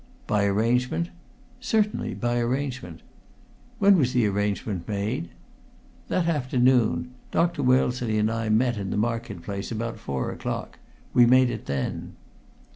"By arrangement?" "Certainly by arrangement." "When was the arrangement made?" "That afternoon. Dr. Wellesley and I met, in the market place, about four o'clock. We made it then."